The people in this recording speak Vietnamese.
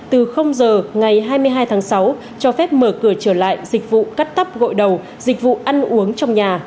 từ giờ ngày hai mươi hai tháng sáu cho phép mở cửa trở lại dịch vụ cắt tóc gội đầu dịch vụ ăn uống trong nhà